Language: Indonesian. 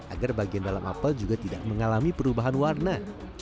agar bagian dalam apel juga tidak mengalami perubahan warna